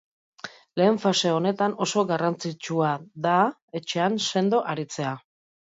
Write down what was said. Lehen fase honetan oso garrantzitsua da etxean sendo aritzea.